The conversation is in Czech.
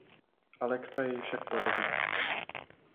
Alexa jej však porazí.